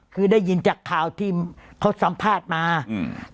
คือได้ยินจากข่าวที่เขาสัมภาษณ์มาอืม